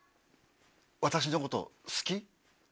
私のこと好き？